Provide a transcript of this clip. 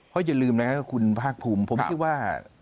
เพราะอย่าลืมนะครับคุณภาคภูมิผมคิดว่า